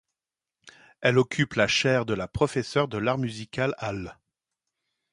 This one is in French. Elle occupe la chaire de professeur de l'art musical à l'.